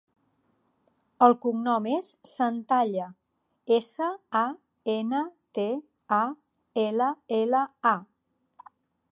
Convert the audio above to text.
El cognom és Santalla: essa, a, ena, te, a, ela, ela, a.